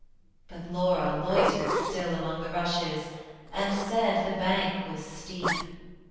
But Laura loitered still among the rushes And said the bank was steep.